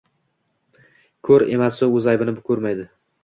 Ko’r emasu o’z aybini ko’rmaydi